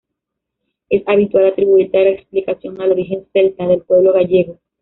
Es habitual atribuir tal explicación al origen celta del pueblo gallego.